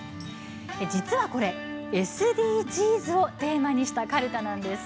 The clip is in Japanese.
実はこれＳＤＧｓをテーマにしたかるたなんです。